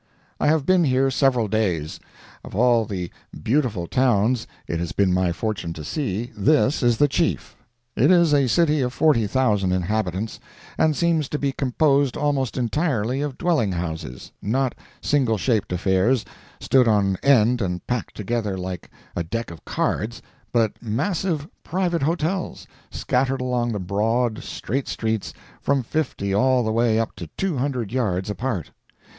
I have been here several days. Of all the beautiful towns it has been my fortune to see this is the chief. It is a city of 40,000 inhabitants, and seems to be composed almost entirely of dwelling houses—not single shaped affairs, stood on end and packed together like a "deck" of cards, but massive private hotels, scattered along the broad, straight streets, from fifty all the way up to two hundred yards apart.